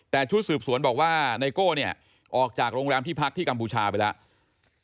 แต่ชุดสืบสวนบอกว่าไนโก้เนี่ยออกจากโรงแรมที่พักที่กัมพูชาไปแล้ว